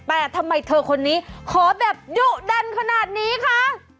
แต่ทำไมเธอคนนี้ขอแบบดุดันขนาดนี้คะ